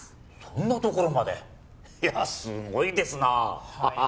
そんな所までいやあすごいですなあ